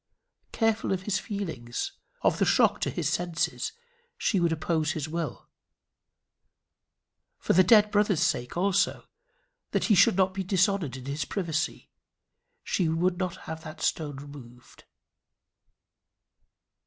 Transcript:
Careful of his feelings, of the shock to his senses, she would oppose his will. For the dead brother's sake also, that he should not be dishonoured in his privacy, she would not have had that stone removed.